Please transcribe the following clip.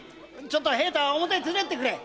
平太を表へ連れてってくれ！〕